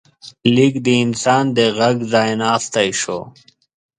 لیک د انسان د غږ ځای ناستی شو.